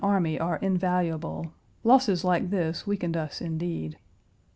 Page 214 army are invaluable; losses like this weakened us, indeed."